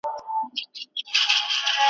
د زندان به مي نن شل کاله پوره وای .